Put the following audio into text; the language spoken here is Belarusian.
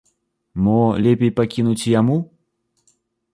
Мо лепей пакінуць яму?